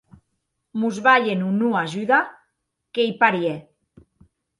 Mos balhen o non ajuda, qu’ei parièr!